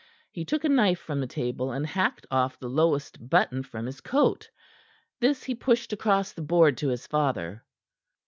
He took a knife from the table, and hacked off the lowest button from his coat. This he pushed across the board to his father.